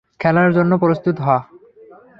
খেলার জন্য প্রস্তুত হ।